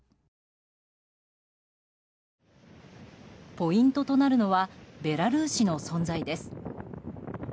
ポイントとなるのはベラルーシの存在です。